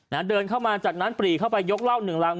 เดินเข้ามาจากนั้นปรีเข้าไปยกเหล้าหนึ่งรัง